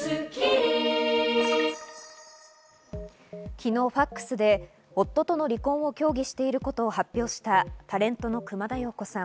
昨日、ファクスで夫との離婚を協議していることを発表したタレントの熊田曜子さん。